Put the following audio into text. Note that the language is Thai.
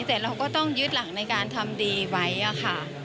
แต่เราก็ต้องยึดหลังในการทำดีไว้ค่ะ